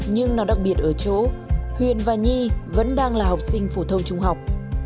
nhưng nó đặc biệt ở chỗ huyền và nhi vẫn đang là học sinh phổ thông trung học